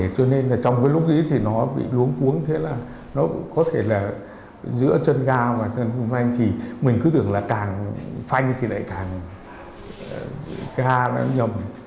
cho nên là trong cái lúc ấy thì nó bị đuống cuốn thế là nó có thể là giữa chân ga và chân vùng phanh thì mình cứ tưởng là càng phanh thì lại càng cái ga nó nhầm